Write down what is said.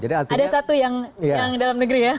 ada satu yang dalam negeri ya